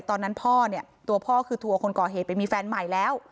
ตอนนั้นพ่อเนี่ยตัวพ่อคือตัวคนก่อเหตุไปมีแฟนใหม่แล้ว